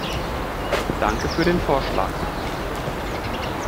Danke für den Vorschlag.